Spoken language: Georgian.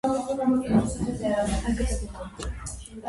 აქედან კარგად მოჩანს რიონის დაბლობი, ქალაქი ქუთაისი და კავკასიონის მთები.